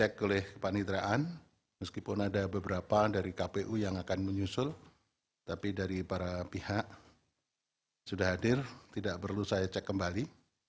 cek oleh kepanitraan meskipun ada beberapa dari kpu yang akan menyusul tapi dari para pihak sudah hadir tidak perlu saya cek kembali